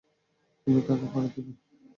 কিন্তু টাকা পরে দিবো।